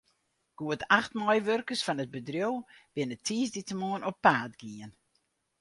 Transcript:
Goed acht meiwurkers fan it bedriuw binne tiisdeitemoarn op paad gien.